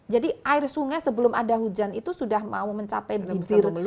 jadi air sungai sebelum ada hujan itu sudah mau mencapai bibir